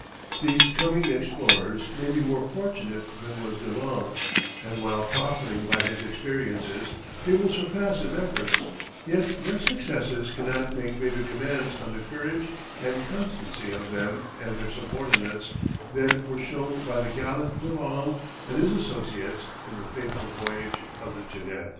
These coming explorers may be more fortunate than was De Long, and while profiting by his experiences they will surpass his efforts, yet their successes cannot make greater demands on the courage and constancy of them and their subordinates than were shown by the gallant De Long and his associates in the fateful voyage of the Jeannette.